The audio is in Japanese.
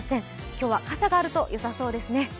今日は傘があるとよさそうですね。